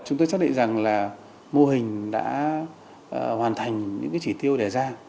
chúng tôi chắc định rằng là mô hình đã hoàn thành những chỉ tiêu đề ra